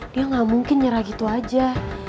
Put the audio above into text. dia gak mungkin nyerah gitu aja